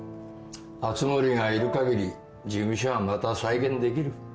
熱護がいるかぎり事務所はまた再建できる。